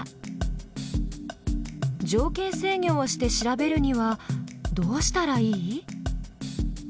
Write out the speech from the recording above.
条件制御をして調べるにはどうしたらいい？